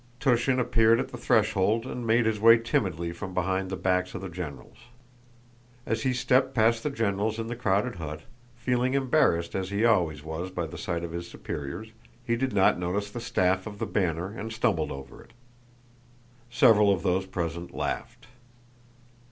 Túshin appeared at the threshold and made his way timidly from behind the backs of the generals. As he stepped past the generals in the crowded hut, feeling embarrassed as he always was by the sight of his superiors, he did not notice the staff of the banner and stumbled over it. Several of those present laughed.